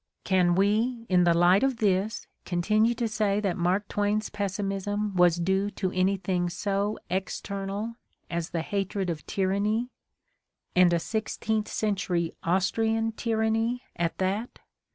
^ Can we, in the light of this, continue to say that Mark Twain's pessimism was due to anything so external aa the hatred of tyranny, and a sixteenth century AustriaiJ tyranny at that?